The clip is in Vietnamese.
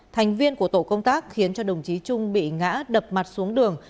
thành viên của tổ công tác khiến cho đồng chí trung bị ngã đập mặt xuống đường